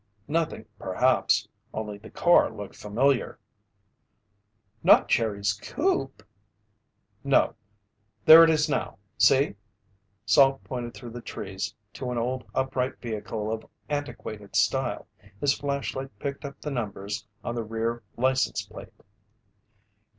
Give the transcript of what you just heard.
"Nothing perhaps. Only the car looked familiar." "Not Jerry's coupe?" "No. There it is now see!" Salt pointed through the trees to an old upright vehicle of antiquated style. His flashlight picked up the numbers on the rear license plate.